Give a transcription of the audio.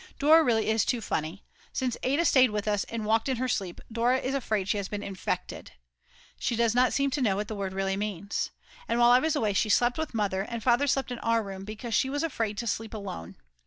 Dora really is too funny; since Ada stayed with us and walked in her sleep Dora is afraid she has been infected. She does not seem to know what the word really means! And while I was away she slept with Mother, and Father slept in our room, because she was afraid to sleep alone.